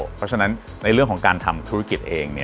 เพราะฉะนั้นในเรื่องของการทำธุรกิจเอง